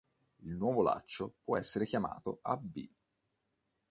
Il nuovo laccio può essere chiamato "ab".